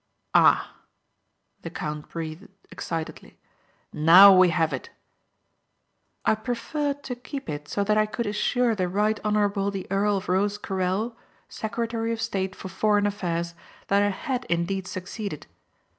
"Ah!" the count breathed excitedly. "Now we have it." "I preferred to keep it so that I could assure the Right Honourable the Earl of Rosecarrel, Secretary of State for Foreign Affairs, that I had indeed succeeded.